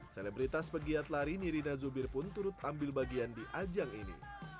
selebritas pegiat lari nirina zubir pun turut ambil bagian di ajang ini